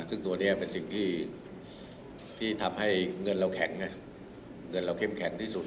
ซึ่งตัวนี้เป็นสิ่งที่ทำให้เงินเราแข็งเงินเราเข้มแข็งที่สุด